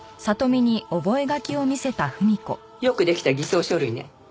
よくできた偽装書類ね。